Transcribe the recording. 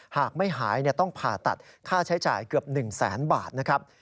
หากไม่หายต้องผ่าตัดค่าใช้จ่ายเกือบ๑แสนบาทนะครับ